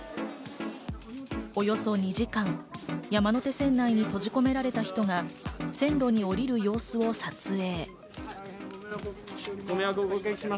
およそ２時間、山手線内に閉じ込められた人が線路に降りる様子を撮影。